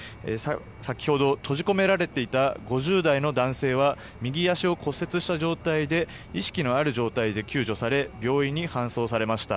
先ほど、閉じ込められていた５０代の男性は右足を骨折した状態で意識のある状態で救助され病院に搬送されました。